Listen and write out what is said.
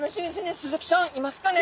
スズキちゃんいますかね？